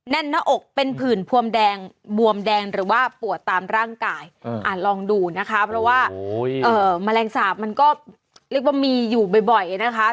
แน่นหน้าอกเป็นผื่นพวมแดงบวมแดงหรือว่าปวดตามร่างกายลองดูนะคะเพราะว่าแมลงสาปมันก็เรียกว่ามีอยู่บ่อยนะคะ